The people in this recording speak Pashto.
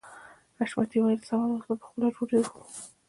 حشمتي وويل سمه ده اوس به خپله ډوډۍ وخورو.